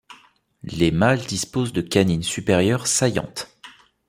Les mâles disposent de canines supérieures saillantes.